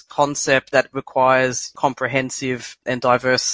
yang memerlukan solusi yang komprehensif dan beragam